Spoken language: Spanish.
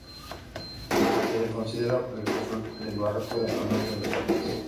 Se le considera precursor del Barroco al norte de los Alpes.